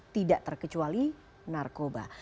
tidak terkecuali narkoba